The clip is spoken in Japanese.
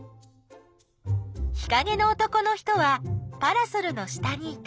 日かげの男の人はパラソルの下にいた。